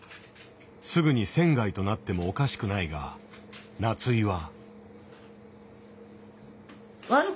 すぐに選外となってもおかしくないが夏井は。